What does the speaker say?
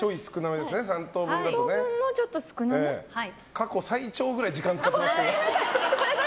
過去最長ぐらい時間使ってますよ。